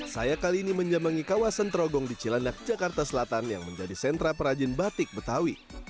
saya kali ini menjamangi kawasan trogong di cilandak jakarta selatan yang menjadi sentra perajin batik betawi